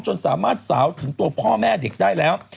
จนสามารถสาวถึงตัวพ่อแม่เด็กได้แล้ว